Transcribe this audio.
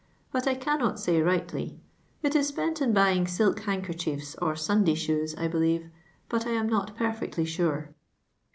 but I cannot BT rightly. It i.s .'^jieiit in buying silk handkerchie&t or Siniday shoes, I believe ; but I am not per fiH 'tly sure."